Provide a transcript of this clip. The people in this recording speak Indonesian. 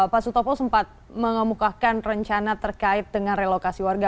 pak sutopo sempat mengemukakan rencana terkait dengan relokasi warga